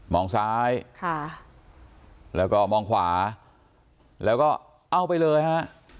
มองซ้ายค่ะแล้วก็มองขวาแล้วก็เอาไปเลยฮะ